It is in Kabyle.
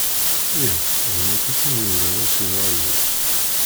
Ih, d nekk i sen-yuran asinaryu.